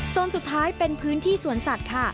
สุดท้ายเป็นพื้นที่สวนสัตว์ค่ะ